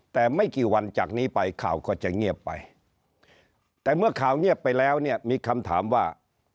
แต่ไม่กี่วันจากนี้ไปข่าวก็จะเงียบไปแต่เมื่อข่าวเงียบไปแล้วเนี่ยมีคำถามว่า